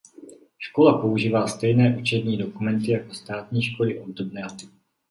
Škola používá stejné učební dokumenty jako státní školy obdobného typu.